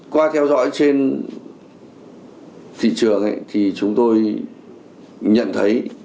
qua theo dõi trên thị trường thì chúng tôi nhận thấy